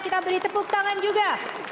kita beri tepuk tangan juga